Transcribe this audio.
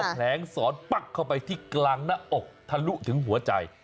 แผลงสอนปั๊กเข้าไปที่กลางหน้าอกทะลุถึงหัวใจ